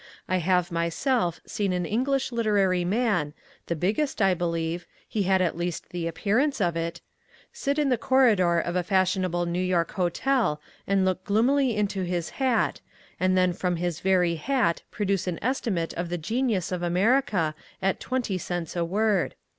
I have myself seen an English literary man, the biggest, I believe: he had at least the appearance of it; sit in the corridor of a fashionable New York hotel and look gloomily into his hat, and then from his very hat produce an estimate of the genius of Amer ica at twenty cents a word.